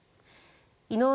井上